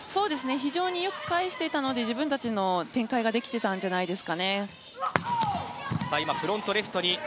非常によく返していたので自分たちの展開ができていたと思います。